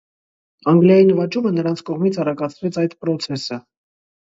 Անգլիայի նվաճումը նրանց կողմից արագացրեց այդ պրոցեսը։